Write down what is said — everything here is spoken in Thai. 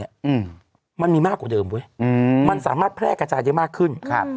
อืมมันมีมากกว่าเดิมเว้ยอืมมันสามารถแพร่กระจายได้มากขึ้นครับ